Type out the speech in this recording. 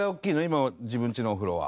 今の自分ちのお風呂は。